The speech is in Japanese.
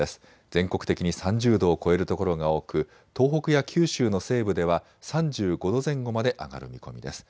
全国的に３０度を超える所が多く東北や九州の西部では３５度前後まで上がる見込みです。